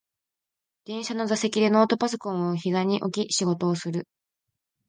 電車の座席でノートパソコンをひざに置き仕事をする